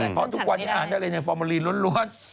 เพราะทุกวันที่อาหารทะเลไฟร์โฟฟอร์โมรีร้วน